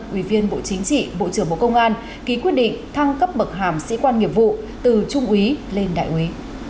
quy viên bộ chính trị bộ trưởng bộ công an ký quyết định thăng cấp mực hàm sĩ quan nghiệp vụ từ chung ý lên đại quý